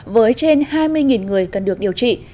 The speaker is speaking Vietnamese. với trên hai mươi người cần được điều trị